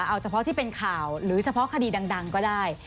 เอาเฉพาะที่เป็นข่าวหรือเฉพาะคดีดังก็ได้